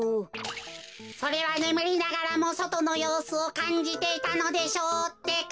それはねむりながらもそとのようすをかんじていたのでしょうってか。